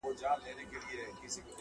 څوك به اوښكي تويوي پر مينانو-